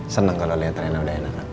seneng kalau liat reina udah enak